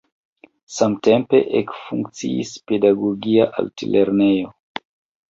Samtempe ekfunkciis pedagogia altlernejo.